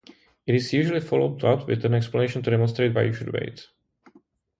It is usually followed up with an explanation to demonstrate why you should wait.